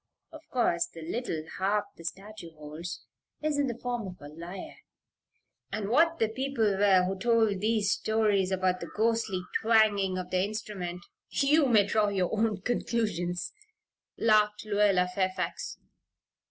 Of course, the little harp the statue holds is in the form of a lyre; and what the people were who told these stories about the ghostly twanging of the instrument you may draw your own conclusions," laughed Lluella Fairfax.